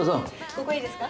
ここいいですか？